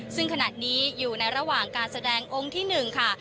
ซึ่งขณะนี้อยู่ในระหว่างการแสดงองค์ที่๑ค่ะ